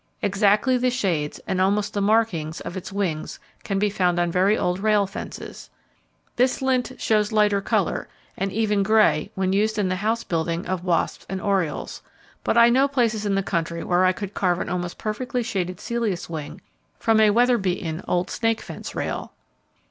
Exactly the shades, and almost the markings of its wings can be found on very old rail fences. This lint shows lighter colour, and even grey when used in the house building of wasps and orioles, but I know places in the country where I could carve an almost perfectly shaded Celeus wing from a weather beaten old snake fence rail.